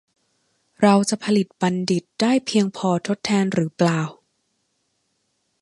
เราจะผลิตบัณฑิตได้เพียงพอทดแทนหรือเปล่า ?